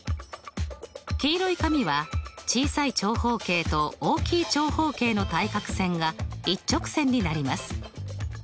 黄色い紙は小さい長方形と大きい長方形の対角線が一直線になります。